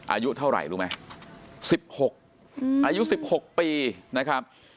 อายุเท่าไรรู้ไหมสิบหกอายุสิบหกปีนะครับ